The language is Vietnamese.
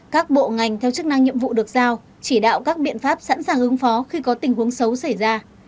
các bộ ngành theo chức năng nhiệm vụ được giao chỉ đạo các biện pháp sẵn sàng ứng phó khi có tình huống xấu xảy ra